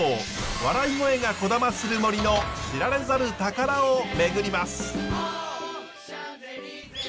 笑い声がこだまする森の知られざる宝を巡ります！